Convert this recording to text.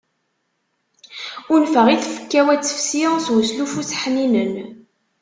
Unfeɣ i tfekka-w ad tefsi s uslufu-s ḥninen.